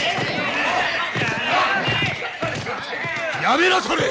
やめなされ！